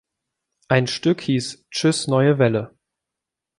Ein Stück hieß „Tschüss Neue Welle“.